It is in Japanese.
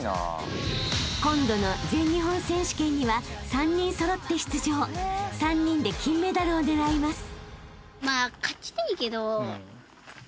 ［今度の全日本選手権には３人揃って出場］［３人で金メダルを狙います］